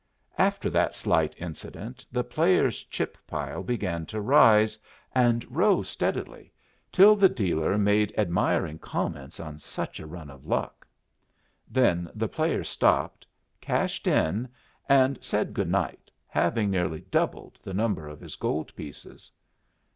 After that slight incident the player's chip pile began to rise, and rose steadily, till the dealer made admiring comments on such a run of luck. Then the player stopped, cashed in, and said good night, having nearly doubled the number of his gold pieces.